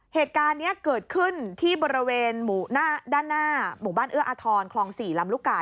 เหตุการณ์นี้เกิดขึ้นที่บริเวณด้านหน้าหมู่บ้านเอื้ออาทรคลอง๔ลำลูกกา